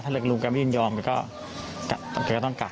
เท่าไรลุงเขาไม่ยอมไปก็ต้องกลับ